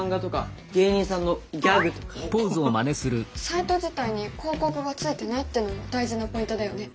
サイト自体に広告がついていないっていうのも大事なポイントだよね。